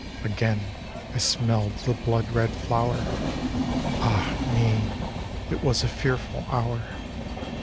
Again I smelled the blood red flower — Ah me ! it was a fearful hour.